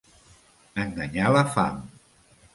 Enganyar la fam.